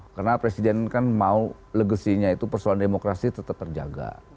karena presiden kan mau legasinya itu persoalan demokrasi tetap terjaga